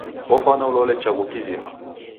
Ofwana ulole chagu kizima.